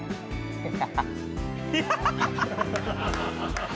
ハハハハ！